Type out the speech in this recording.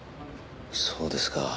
そうですか。